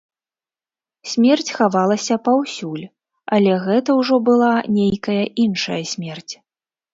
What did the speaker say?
Смерць хавалася паўсюль, але гэта ўжо была нейкая іншая смерць.